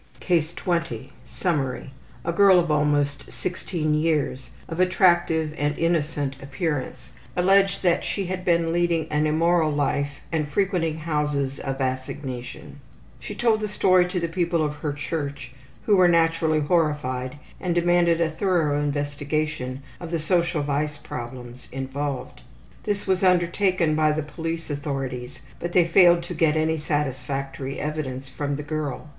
CASE 20 Summary: A girl of almost 16 years, of attractive and innocent appearance, alleged that she had been leading an immoral life and frequenting houses of assignation. She told the story to the people of her church, who were naturally horrified and demanded a thorough investigation of the social vice problems involved. This was undertaken by the police authorities, but they failed to get any satisfactory evidence from the girl.